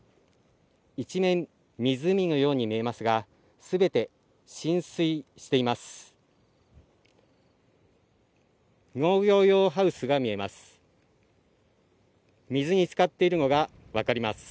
一面、湖のように見えますが、すべて浸水しています。